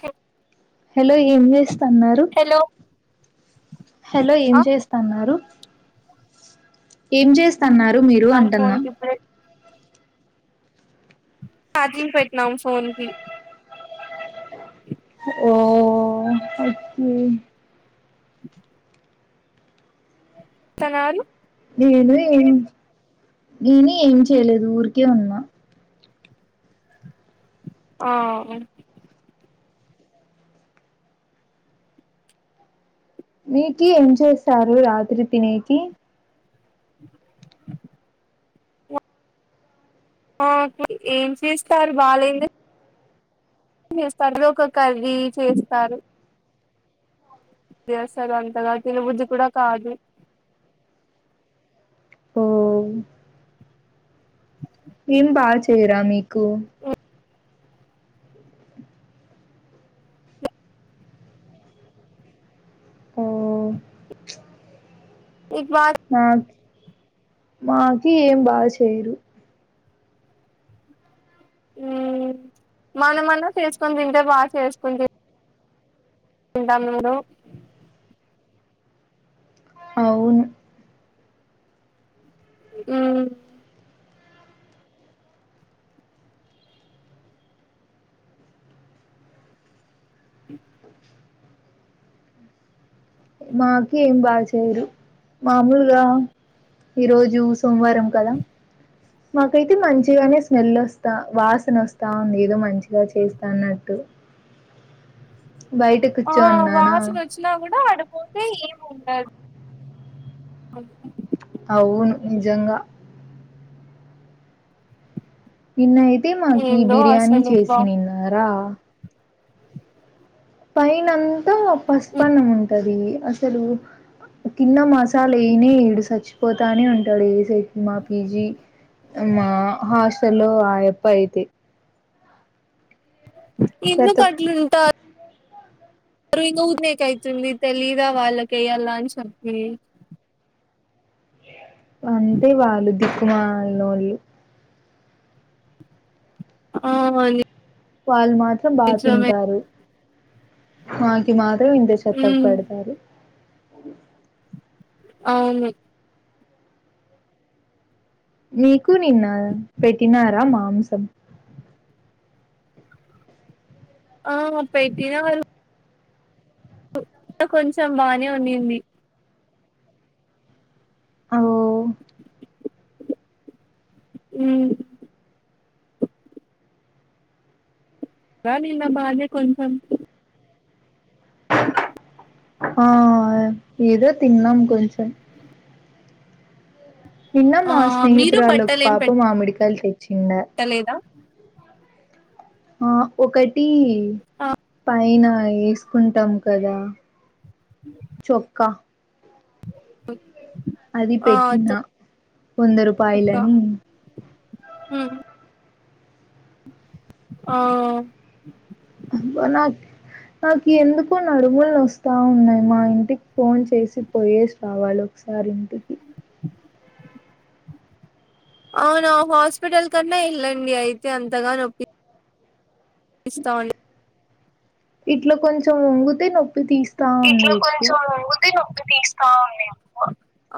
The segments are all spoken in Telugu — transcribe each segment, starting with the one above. చే హలో ఏం చేస్తన్నారు హలో ఏం ఆ చేస్తన్నారు ఏం చేస్తన్నారు మీరు నా ఫోన్ అంటన్నా కి ఇప్పుడే చార్జింగ్ పెట్టినాం ఫోన్ కి ఓ అ ఓకే తను ఆళ్ళు ఏమే నేను ఏం చేయలేదు ఊరికే ఉన్నా ఆ మీకి ఏం చేస్తారు రాత్రి తినేకి ఆ ఏం చేస్తారు బాగాలేంది చేస్తారు ఎదో ఒక కర్రీ చేస్తారు అదేసలు అంతగా తిన బుద్ధి కూడా కాదు ఓ ఏం బా చెయ్యరా మీకు ఓ నీకు బా మాకీ ఏం బా చెయ్యరు ఊ మనం అన్నా చేసుకొని తింటే బా చేసుకొని తి ఉంటాం జూడు అవును ఊ మాకీ ఏం బా చెయ్యరు మామూలుగా ఈ రోజు సోమవారం కదా మాకైతే మంచిగానే స్మెల్ వొస్ తా వాసనొస్తా ఉంది ఏదో మంచిగా చేస్తాన్నట్టు ఆ వాసునొచ్చినా కూడా ఆటుపోతే ఏం ఉండ అ అవును నిజంగా నిన్నయితే మాకి ఏందో బిర్యానీ అసలు అబ్బా చేసినిన్నారా పైనంతా పసుపన్నం ఉంటది అసలు కింద మసాలా ఎయ్నే ఎయ్యిడు సచ్చిపోతానే ఉంటాడు ఏసేకి మా పీ జీ మా హాస్టల్లో ఆ అప్ప ఐతే ఎందుకట్లుంటా అ మరు ఇంగ [unintelligible] యితుంది తెలీదా వాళ్ళకి ఎయ్యాలని చెప్పి అంతే వాళ్ళు దిక్కుమాలినోళ్ళు ఆ వాలి వాళ్ళు మాత్రం బాగా తింటారు ఆ కి మాత్రం ఇంత చెత్తగ ఉమ్ పెడతారు అవును మీకు నిన్న పెట్టినారా మాంసం ఆ పెట్టినారు ఉ [inaudible] కొంచెం బానే ఉన్నింది ఔ ఊ రా నిన్న బాగే కొంచెం ఆ ఏదో తిన్నాం కొంచెం నిన్న ఆ మా స్నేహితురాలు ఒక పాప మామిడికాయలు తె ట్ట లేదా ఆ ఒకటి ఆ పైన ఏసుకుంటాం కదా చొక్కా అది ఆ పెట్టినా వంద రూపాయలని ఊమ్ ఆ అబ్బ నాక్ నాకి ఎందుకు నడుములు నొస్తా ఉన్నాయి మా ఇంటికి ఫోన్ చేసి పోయేసి రావాలో క్సారి ఇంటికి అవునా హాస్పిటల్ కన్నా ఎళ్ళండి అయితే అంతగా నొప్పి స్తా ఉం ఇట్ల కొంచెం వంగుతే నొప్పి తీస్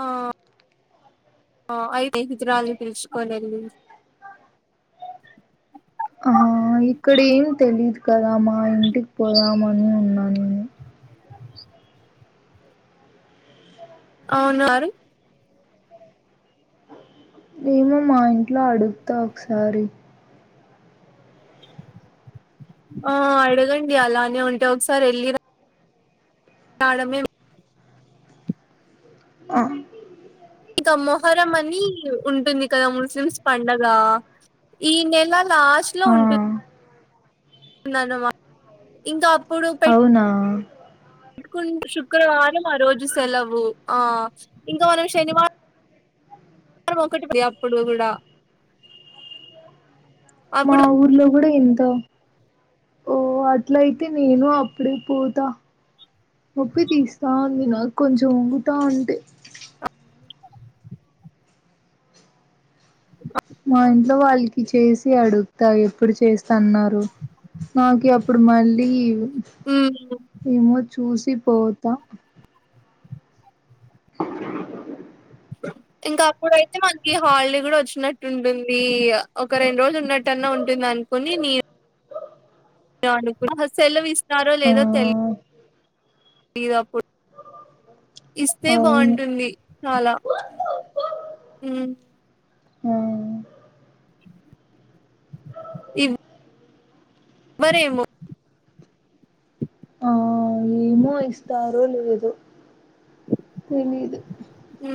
ఆ ఆ అయితే హిజ్రాల్ని పిలుచుకొని ఎళ్ళింది. ఆహా ఇక్కడ ఏం తెలీదు కదా మా ఇంటికి పోదామని ఉన్నా నేను. అవునా ఏమో మా ఇంట్ల అడుగుతా ఒకసారి. ఆ అడగండి అలానే ఉంటే ఒకసారి ఎళ్ళి రం మేడమే ఆ ఇంకా మొహరం అని ఉంటుంది కదా ముస్లిమ్స్ పండగ ఈ నెల లాస్ట్లో ఆ ఉంటుం దన్నమా ఇంకా అవునా అనుకుం శుక్రవారం ఆ రోజు సెలవు. ఆ ఇంక మనం శనివా రం ఒకటి అప్పుడు కూడా మా అప్పుడు ఊర్లో కూడా ఎంతో ఓ అట్లయితే నేను అప్పుడే పోతా. నొప్పి తీస్తా ఉంది నాకు కొంచం వంగుతా ఉంటే. మా ఇంట్లో వాళ్ళ కిచేసి అడుగుతా ఎప్పుడు చేస్తా అన్నారు, నాకి అప్పుడు మళ్ళీ ఉమ్, ఏమో చూసి పోతా. ఇంకా అప్పుడయితే మనకి హాలిడే కూడా వచ్చినట్టు ఉంటుంది, ఒక రెండు రోజులు ఉన్నట్టు అని అయినా ఉంటుంది అనుకొని నీ ఆహా సెలవు ఇస్తారో లేదో తెలి ఆ దు అప్పుడు ఇస్తే అవును బావుంటుంది చాలా. హ్ ఆ ఇవ్ మరేమో మో ఇస్తారో లేదో తెలీదు.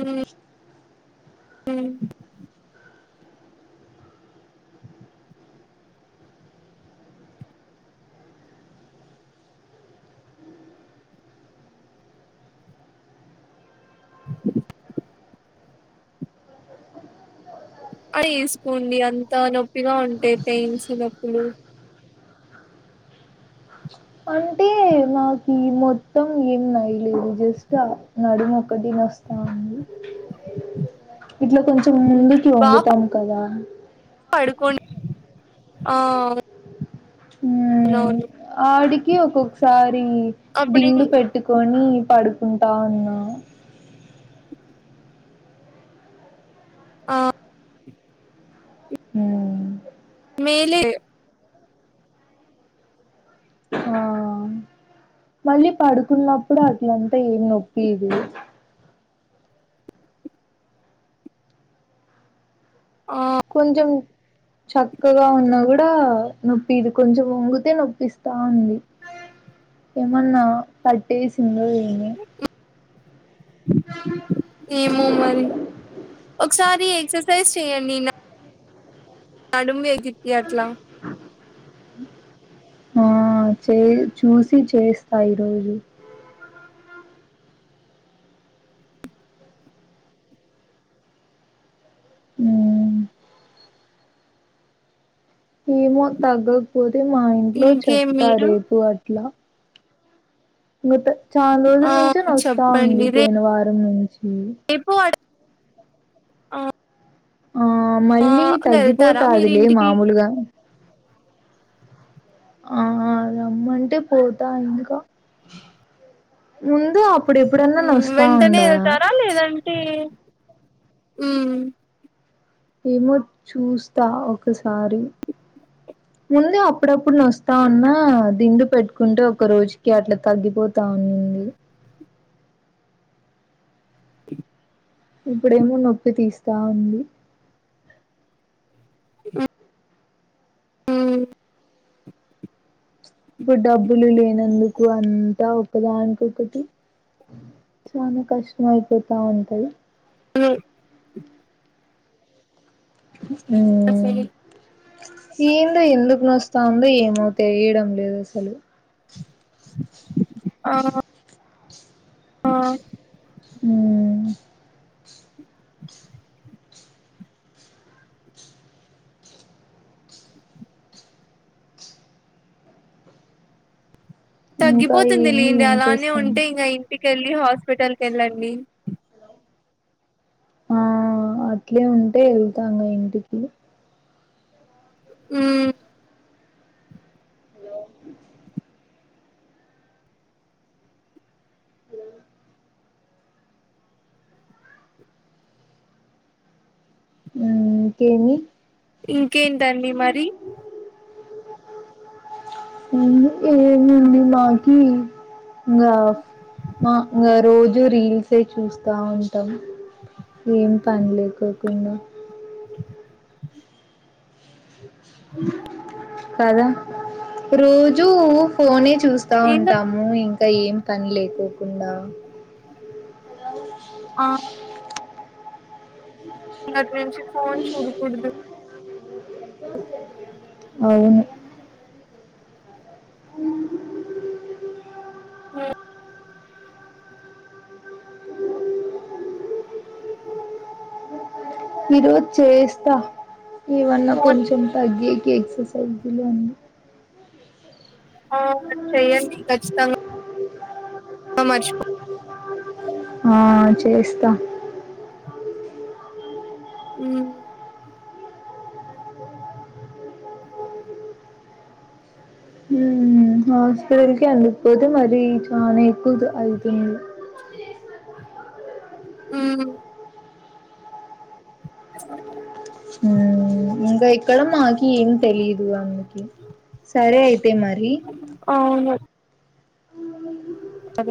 హ్ హ్ అయేసుకోండి అంతా నొప్పిగా ఉంటే పెయిన్స్ నొప్పులు. అంటే నాకి మొత్తం ఏం నొయలేదు జస్ట్ ఆ నడుము ఒ ఒకటి నోస్తా ఉంది. ఇట్లా కొంచెం ముందుకి వంగుతాం కదా పడుకోం ఆ మ్మ్ అవునవును. ఆడికి ఒకొకసారి అప్పుడు దిండు పెట్టుకొని పడు కుంటా ఉన్నా. ఆ మ్మ్ మేలే ఆ మళ్ళీ పడుకున్నప్పుడు అట్లంతా ఏం నొప్పియిదు ఆ కొంచం చక్కగా ఉన్న కూడా నొప్పియిదు కొంచెం వంగితే నొప్పిస్తా ఉంది ఏమన్నా పట్టేసిందో ఎ ఏమో మరి ఒకసారి ఎక్సర్సైజ్ చెయండి నడుమ్ వేకికీ అట్లా ఆ చే చూసి చేస్తా ఈరోజు ఉమ్మ్ ఏమో తగ్గకపోతే మా ఇంట్లో ఇంకేం చెప్తా మీరు రేపు అట్లా మెతే చాలా రోజుల ఆ నుంచే నస్తాఉంది చెప్పండి పోయిన వారం నుంచి రేపు ఆ ఆ మళ్ళీ వెళ్తారా మీరు తగ్గిపోతాదిలే ఇంటికి మామూలుగా ఆ ఆ రమ్మంటే పోతా ఇంకా ఉమ్మ్ ఉమ్మ్ వెంటనే వెళ్తారా లేదంటే ఉమ్మ్ ఏమో చూస్తా ఒకసారి ముందే అప్పుడప్పుడు నస్తా ఉన్నా దిండు పెట్టుకుంటే ఒక రోజుకి అట్లా తగ్గిపోతా ఉనిం ది ఇప్పుడేమో నొప్పి తీస్తా ఉంది ఉమ్మ్ ఇప్పుడు డబ్బులు లేనందుకు అంతా ఒకదానికొకటి చానా కష్టం అయిపోతా ఉంటాది ఉమ్ ఆ సరే ఎందో ఎందుకు నస్తావుందో ఏమో తెలియడం లేదు అసలు ఆ ఆ ఉమ్మ్ ఇంకా తగ్గిపోతుంది ఏమి లేండి ఏం అలానే చేస్తాను ఉంటే ఇంకా ఇంటికి కేళ్ళి హాస్పిటల్‌కి ఎళ్ళండి ఆ అట్లే ఉంటే వెళ్తాను ఇంటికి ఉమ్మ్ హలో హలో ఉమ్మ్ ఇంకేమి ఇంకేంటండి మరి [inaudible] ఉమ్మ్ ఏముంది మాకి ఇంగ మా ఇంగ రోజు రీల్సే చూస్తా ఉంటాం ఏం పనిలేకోకుండా కదా రోజు ఫోనే చూస్తా ఏందో ఉంటాము ఇంకా ఏం పనిలేకోకుండా ఆ ఇగటి నుంచి ఫోన్ చూడకూడదు అ అవును అవు ఉ ఈరోజు చేస్త ఏమన్నా ఫోన్ కొంచెం తగ్గేకి ఎక్సర్సైజ్లు అని ఆ చేయండి కచ్చితంగ [unintelligible] ఆ చేస్త ఉమ్ [inaudible] హు హాస్పిటల్కి అందిపోతే మరి జన ఎకుదు అయిపో అ ఉ ఎ ఇంక ఎక్కడ ఏం తెలిదు అమెకి సరే అయితే మరి [inaudible] అ అ